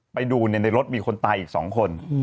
ไปดูในรถมีคนตายอีก๒คน